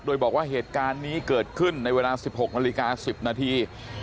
โดยบอกว่าเหตุการณ์นี้เกิดขึ้นในเวลา๑๖นาฬิกา๑๐นาที